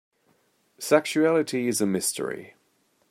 Sexuality is a mystery.